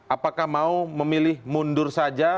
apakah mau memilih mundur saja